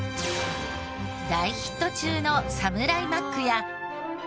大ヒット中のサムライマックや。